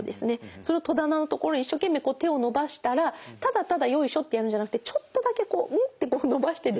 それを戸棚の所に一生懸命手を伸ばしたらただただよいしょってやるんじゃなくてちょっとだけこううんって伸ばしてですね